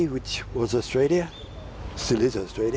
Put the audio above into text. ทุกคนรู้สึกว่าฉันมานี่เพราะทำไม